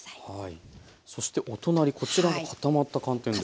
そしてお隣こちらが固まった寒天です。